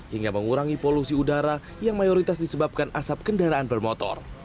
hingga mengurangi polusi udara yang mayoritas disebabkan asap kendaraan bermotor